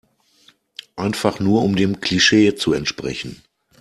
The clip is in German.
Einfach nur um dem Klischee zu entsprechen.